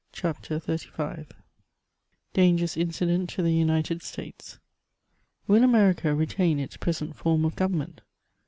CHATEAUBRIAND. 301 DANGERS INCIDENT TO THE UNITED STATES. WiLii America retain its present form of government